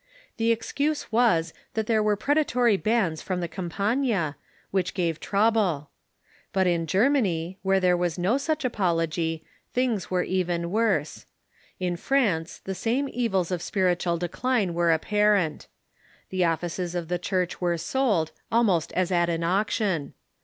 The excuse was, that there were predatory bands from the Campagna, which gave trouble. But in Germany, where there was no such apology, things were even Avorse. In France the same evils of spiritual decline were apparent. The offices of the Church were sold, almost as at an auction.